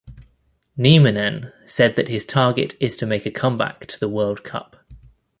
Nieminen said that his target is to make a comeback to the World Cup.